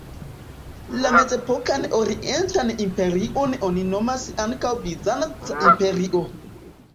La Mezepokan Orientan Imperion oni nomas ankaŭ Bizanca imperio.